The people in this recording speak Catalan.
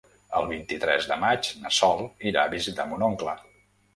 El vint-i-tres de maig na Sol irà a visitar mon oncle.